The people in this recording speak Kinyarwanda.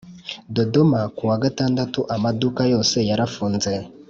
dodoma kuwa gatandatu amaduka yose yarafunze